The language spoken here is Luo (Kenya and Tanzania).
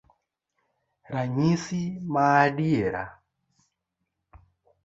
Ranyisi maadiera